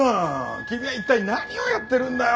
君は一体何をやってるんだよ！